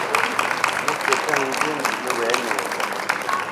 Məcywǐ pɛ́nə ŋgyə̂ ndʉ̌ʼ nəwɛ̌ nɛŋgywa.